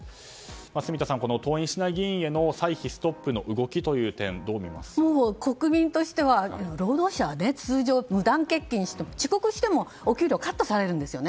住田さん、登院しない議員への歳費ストップの動きは国民としては、労働者は通常、無断欠勤しても遅刻してもお給料はカットされるんですよね。